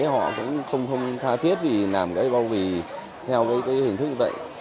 họ cũng không tha thiết vì làm bao bì theo hình thức như vậy